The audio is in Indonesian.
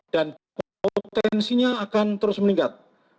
dan potensinya akan terus meningkat